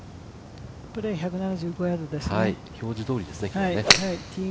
プレー、１７５ヤードですね。